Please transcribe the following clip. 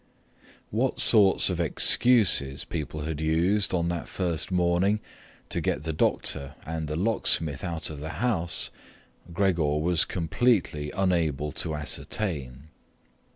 What sorts of excuses people had used on that first morning to get the doctor and the locksmith out of the house Gregor was completely unable to ascertain.